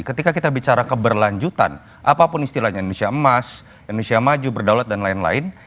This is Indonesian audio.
ketika kita bicara keberlanjutan apapun istilahnya indonesia emas indonesia maju berdaulat dan lain lain